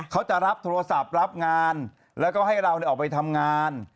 เขาจะรับโทรศัพท์รับงานแล้วก็ให้เราออกไปทำงาน